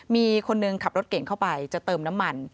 มีคนหนึ่งขับรถเก่งเข้าไปจะเติมน้ำมัน